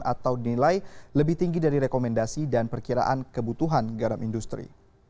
atau nilai lebih tinggi dari rekomendasi dan perkiraan kebutuhan garam industri